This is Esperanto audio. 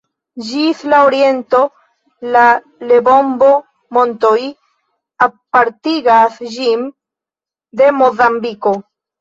Ĝis la oriento la Lebombo-Montoj apartigas ĝin de Mozambiko.